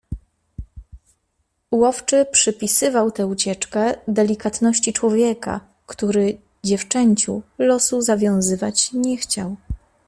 "Łowczy przypisywał tę ucieczkę delikatności człowieka, który dziewczęciu losu zawiązywać nie chciał."